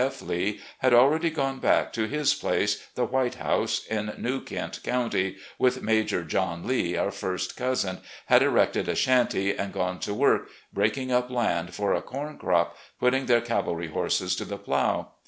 F. Lee, had already gone down to his place, "The White House" in New Kent County, with Major John Lee, our first cousin, had erected a shanty, and gone to work, breaking up land for a com crop, putting their cavalry horses to the plow.